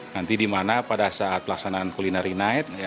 nanti di mana pada saat pelaksanaan culinary night